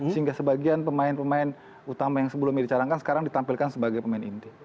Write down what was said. sehingga sebagian pemain pemain utama yang sebelumnya dicarangkan sekarang ditampilkan sebagai pemain inti